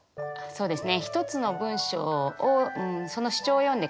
そうですね。